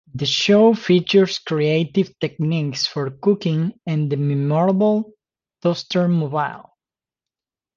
The show features creative techniques for cooking and the memorable Toastermobile.